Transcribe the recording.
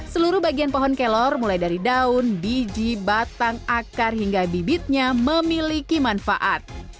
seluruh bagian pohon kelor mulai dari daun biji batang akar hingga bibitnya memiliki manfaat